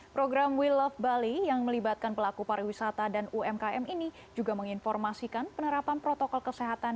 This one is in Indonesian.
program we love bali yang melibatkan pelaku pariwisata dan umkm ini juga menginformasikan penerapan protokol kesehatan